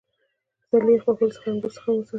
د پسرلي یخ وهلو څخه انګور څنګه وساتم؟